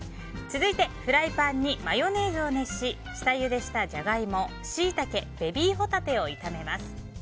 続いて、フライパンにマヨネーズを熱し下ゆでしたジャガイモ、シイタケベビーホタテを炒めます。